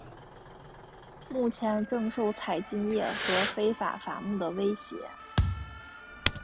目前正受采金业和非法伐木的威胁。